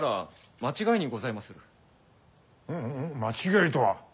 間違いとは？